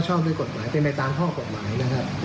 ชอบด้วยกฎหมายเป็นไปตามข้อกฎหมายนะครับ